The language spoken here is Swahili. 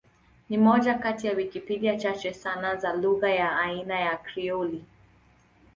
Ni moja kati ya Wikipedia chache sana za lugha ya aina ya Krioli.